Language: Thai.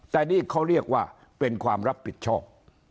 แต่นี่เขาเรียกว่าเป็นความรับผิดชอบ